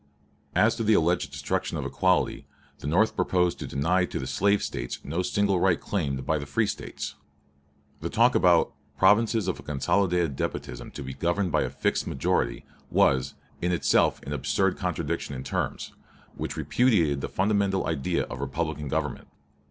As to the alleged destruction of equality, the North proposed to deny to the slave States no single right claimed by the free States. The talk about "provinces of a consolidated despotism to be governed by a fixed majority" was, in itself an absurd contradiction in terms, which repudiated the fundamental idea of republican government.